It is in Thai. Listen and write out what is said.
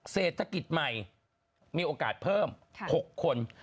เศรษฐกิจใหม่มีโอกาสเพิ่ม๖คน